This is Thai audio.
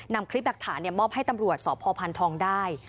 นำคลิปหลักฐานมอบให้ตำรวจสพพันธองได้